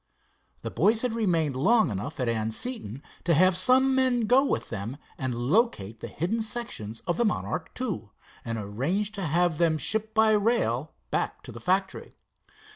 The boys had remained long enough at Anseton to have some men go with them and locate the hidden sections of the Monarch II, and arrange to have them shipped by rail back to the factory.